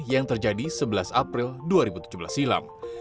yang terjadi sebelas april dua ribu tujuh belas silam